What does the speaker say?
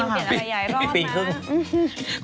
ไม่ด้วยพรั้งที่มันเปลี่ยนกรุณาสีเปลี่ยนระยายร้อน